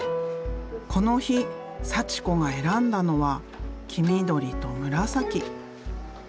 この日祥子が選んだのは黄緑と紫。